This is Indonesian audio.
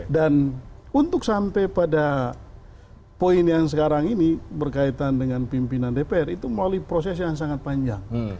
dan untuk sampai pada poin yang sekarang ini berkaitan dengan pimpinan dpr itu melalui proses yang sangat panjang